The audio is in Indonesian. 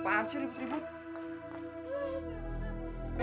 bapaan sih ribut ribut